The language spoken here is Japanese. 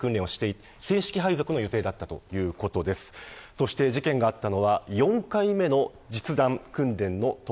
そして事件があったのは４回目の実弾訓練の所